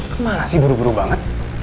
kemana sih buru buru banget